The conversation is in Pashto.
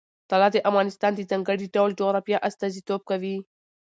طلا د افغانستان د ځانګړي ډول جغرافیه استازیتوب کوي.